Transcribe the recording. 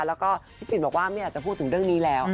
แล้วก็พี่ปิ่นบอกว่าไม่อยากจะพูดถึงเรื่องนี้แล้ว